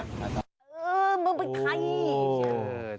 เออมึงเป็นใคร